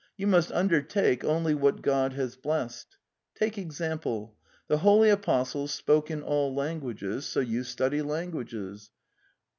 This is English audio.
You must undertake only what God has blessed. Take example ... the Holy Apos tles spoke in all languages, so you study languages.